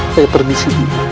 saya permisi nyi imas